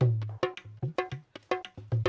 gur kabur ke mana